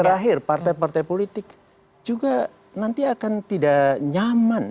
terakhir partai partai politik juga nanti akan tidak nyaman